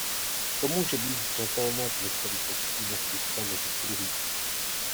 To může být zřetelné v některých odstínech více než v druhých.